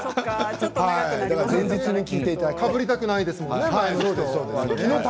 前の日とかぶりたくないですもんね。